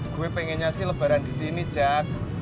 gua pengen nyasih lebaran disini jak